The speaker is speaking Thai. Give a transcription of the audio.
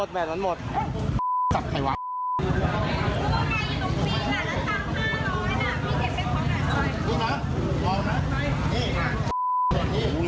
แล้วไปนี่